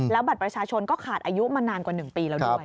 บัตรประชาชนก็ขาดอายุมานานกว่า๑ปีแล้วด้วย